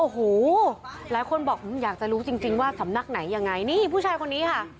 หลายคนบอกอยากจะรู้จริงว่าสำนักไหนยังไง